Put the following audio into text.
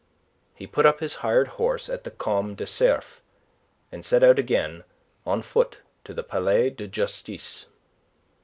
He put up his hired horse at the Come de Cerf, and set out again, on foot, to the Palais de Justice.